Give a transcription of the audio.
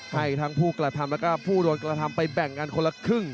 ให้ทั้งผู้กระทำแล้วก็ผู้โดนกระทำไปแบ่งกันคนละครึ่ง